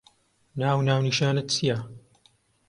ناو و ناونیشانت چییە؟